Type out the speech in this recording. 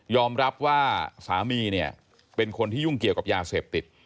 รับว่าสามีเนี่ยเป็นคนที่ยุ่งเกี่ยวกับยาเสพติด